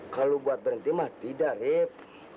kalau buat berhenti mah tidak rip